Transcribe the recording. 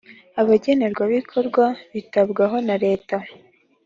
abagenerwabikorwa bitabwaho na leta.